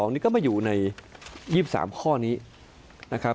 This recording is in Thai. นี้ก็มาอยู่ใน๒๓ข้อนี้นะครับ